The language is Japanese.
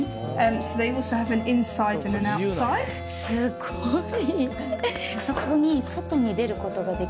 すごい！